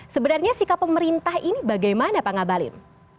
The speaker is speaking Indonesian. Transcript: sebenarnya sikap pemerintah ini bagaimana pak ngabalin